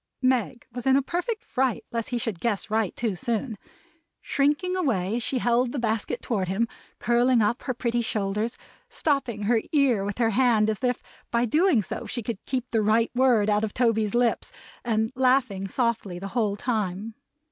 Meg was in a perfect fright lest he should guess right too soon; shrinking away, as she held the basket toward him; curling up her pretty shoulders; stopping her ear with her hand, as if by so doing she could keep the right word out of Toby's lips; and laughing softly the whole time.